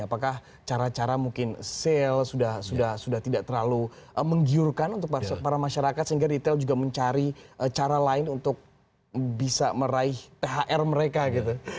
apakah cara cara mungkin sale sudah tidak terlalu menggiurkan untuk para masyarakat sehingga retail juga mencari cara lain untuk bisa meraih thr mereka gitu